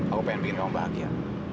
aku pengen bikin kamu bahagia